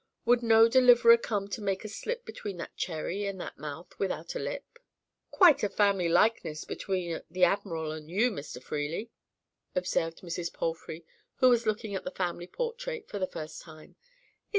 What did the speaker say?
Would no deliverer come to make a slip between that cherry and that mouth without a lip? "Quite a family likeness between the admiral and you, Mr. Freely," observed Mrs. Palfrey, who was looking at the family portrait for the first time.